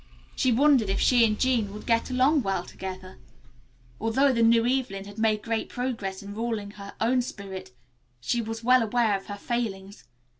She wondered if she and Jean would get along well together. Although the new Evelyn had made great progress in ruling her own spirit she was well aware of her failings.